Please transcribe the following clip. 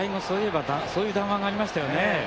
そういえばそういう談話がありましたよね。